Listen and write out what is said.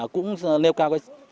cũng nêu cao cái trách nhiệm